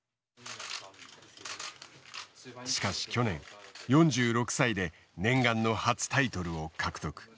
しかし去年４６歳で念願の初タイトルを獲得。